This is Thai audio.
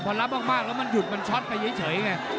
พอรับมากแล้วมันถูกมันช็อตไปเย็นเฉย